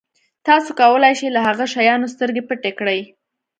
تاسو کولای شئ له هغه شیانو سترګې پټې کړئ.